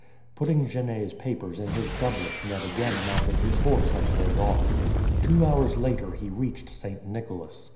Putting Genet's papers in his doublet Ned again mounted his horse and rode off. Two hours later he reached St. Nicholas.